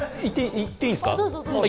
いっていいんですか？